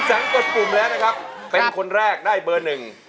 กดปุ่มแล้วนะครับเป็นคนแรกได้เบอร์หนึ่ง